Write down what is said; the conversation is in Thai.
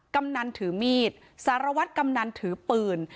กำนันถือมีดสารวัตรกำนันถือปืน